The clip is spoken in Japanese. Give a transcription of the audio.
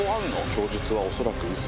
・供述は恐らくウソ。